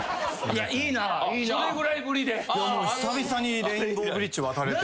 久々にレインボーブリッジ渡れて。